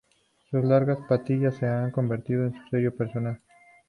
Sus largas patillas se han convertido en su sello personal.